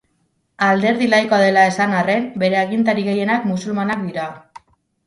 Alderdi laikoa dela esan arren, bere agintari gehienak musulmanak dira.